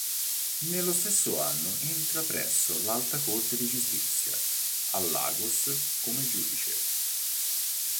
Nello stesso anno entra presso l'Alta Corte di Giustizia a Lagos come giudice.